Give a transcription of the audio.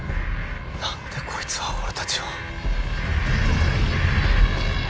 なんでこいつは俺たちを。